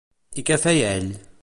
I què feia ell?